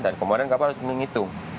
dan kemarin kapal harus menghitung